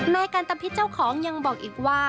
นายกันตะพิษเจ้าของยังบอกอีกว่า